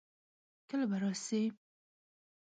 کله به راسې؟